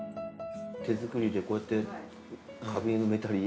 手作りでこうやって壁埋めたり。